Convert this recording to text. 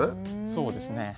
そうですね。